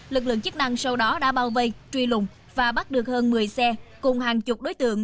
lực lượng chức năng sau đó đã bao vây truy lùng và bắt được hơn một mươi xe cùng hàng chục đối tượng